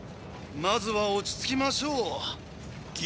まずは落ち着きましょうギ